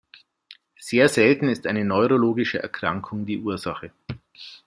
Sehr selten ist eine neurologische Erkrankung die Ursache.